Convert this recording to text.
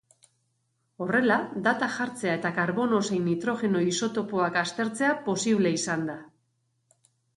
Horrela, data jartzea eta karbono zein nitrogeno isotopoak aztertzea posible izan da.